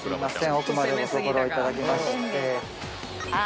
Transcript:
奥までご足労いただきまして。